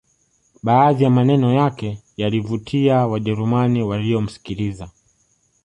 Baadhi ya maneno yake yalivutia wajerumani waliyomsikiliza